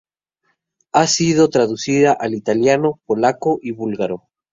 Ha sido traducida al italiano, polaco y búlgaro.